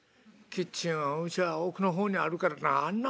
キッチンはうちは奥の方にあるからあんな